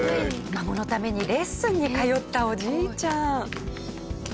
孫のためにレッスンに通ったおじいちゃん。